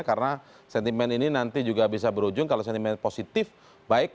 karena sentimen ini nanti juga bisa berujung kalau sentimen positif baik